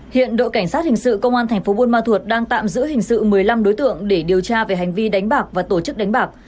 hiện đội cảnh sát hình sự công an thành phố buôn ma thuột đang tạm giữ hình sự một mươi năm đối tượng để điều tra về hành vi đánh bạc và tổ chức đánh bạc